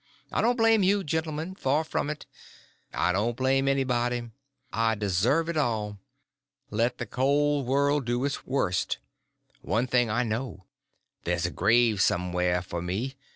I don't blame you, gentlemen—far from it; I don't blame anybody. I deserve it all. Let the cold world do its worst; one thing I know—there's a grave somewhere for me.